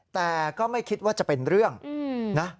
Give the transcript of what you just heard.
แต่ก็ไม่คิดว่าจะเป็นเรื่องนะ